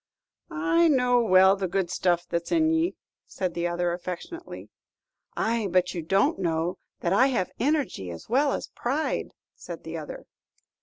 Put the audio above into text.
"I know well the good stuff that's in ye," said the other, affectionately. "Ay, but you don't know that I have energy as well as pride," said the other.